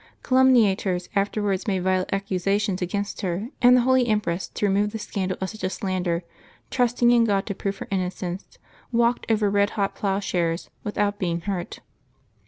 Calumniators afterwards made vile accusations against her, and the holy empress, to remove the scandal of such a slander, trusting in God to prove her innocence, walked over red hot ploughshares without being hurt.